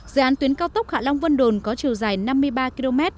dự án tuyến cao tốc hạ long vân đồn có chiều dài năm mươi ba km